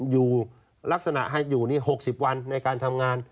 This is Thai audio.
อยู่ลักษณะให้อยู่นี่๖๐วันในการทำงาน